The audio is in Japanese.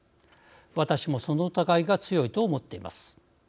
私もその疑いが強いと思っています。